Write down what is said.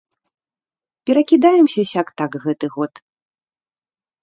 Перакідаемся сяк-так гэты год.